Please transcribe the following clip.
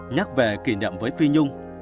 nhắc về kỷ niệm với phi nhung